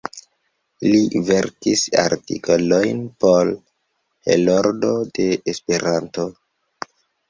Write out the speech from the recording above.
Li verkis artikolojn por "Heroldo de Esperanto.